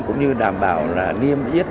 cũng như đảm bảo niêm ít